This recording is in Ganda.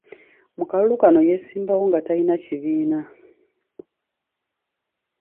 Mu kalulu kano, yesimbawo nga talina kibiina